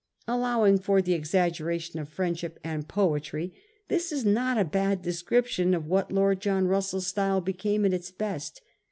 Allowing for the exaggeration of friendship and poetry, this is not a bad description of what Lord John Russell's style became at its best.